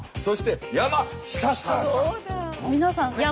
そして山「下」さん。